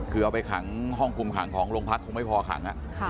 คือเอาไปขังห้องคุมขังของโรงพักคงไม่พอขัง